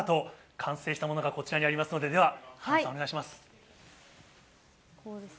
完成したものがこちらにありますので、では、橋本さん、お願いします。